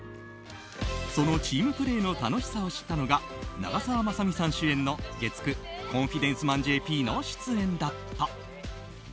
そのチームプレーの楽しさを知ったのが長澤まさみさん主演の月９「コンフィデンスマンＪＰ」の出演だった。